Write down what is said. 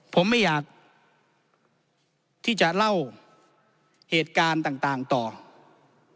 ผมไม่อยากที่จะเล่าเหตุการณ์ต่างต่อ